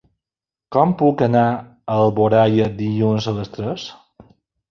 Com puc anar a Alboraia dilluns a les tres?